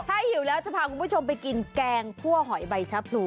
ถ้าหิวแล้วจะพาคุณผู้ชมไปกินแกงคั่วหอยใบชะพลู